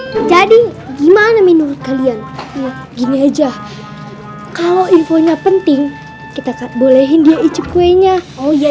hai jadi gimana menurut kalian gini aja kalau infonya penting kita kat bolehin dia icu kuenya oh ya